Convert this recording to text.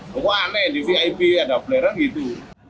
tapi aneh di vip ada flare nya gitu